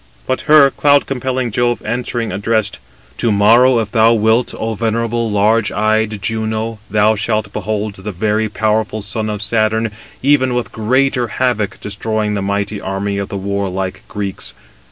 But her cloud compelling Jove answering, addressed: "To morrow, if thou wilt, O venerable, large eyed Juno, thou shalt behold the very powerful son of Saturn even with greater havoc destroying the mighty army of the warlike Greeks.